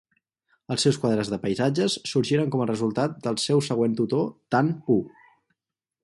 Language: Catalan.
Els seus quadres de paisatges sorgiren com a resultat del seu següent tutor Tan Pu.